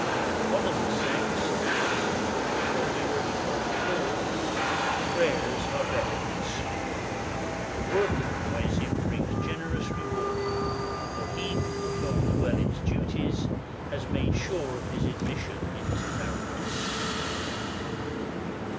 One of the sects adds, before the early morning call, "Prayers are better than sleep!" The work of a muezzin brings generous reward, for he who performs well its duties has made sure his admission into Paradise.